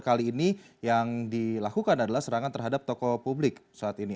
kali ini yang dilakukan adalah serangan terhadap tokoh publik saat ini